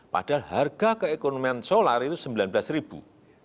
padahal harga keekonomian solar itu sembilan belas ribu